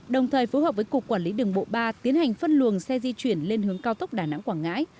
đồng thời phối hợp với cục quản lý đường bộ ba tiến hành phân luồng xe di chuyển lên hướng cao tốc đà nẵng quảng ngãi